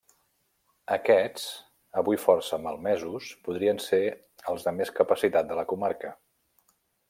Aquests, avui força malmesos, podrien ser els de més capacitat de la comarca.